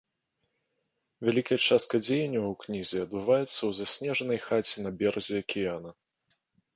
Вялікая частка дзеянняў у кнізе адбываецца ў заснежанай хаце на беразе акіяна.